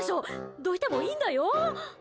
どいてもいいんだよ？